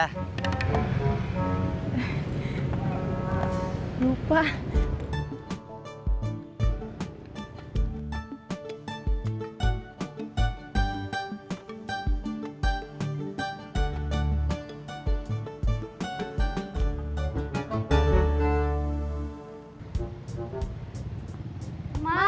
kalemnya mau dipake aja